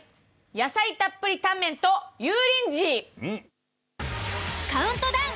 野菜たっぷりタンメンと油淋鶏！